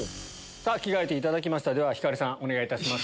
さぁ着替えていただきましたでは星さんお願いいたします。